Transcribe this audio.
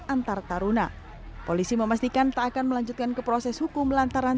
antar taruna polisi memastikan tak akan melanjutkan ke proses hukum lantaran